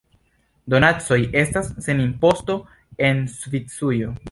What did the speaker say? Donacoj estas sen imposto en Svisujo.